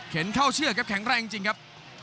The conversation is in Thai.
เข้าเชือกครับแข็งแรงจริงครับ